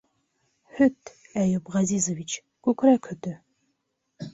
Һөт, Әйүп Ғәзизович... күкрәк һөтө...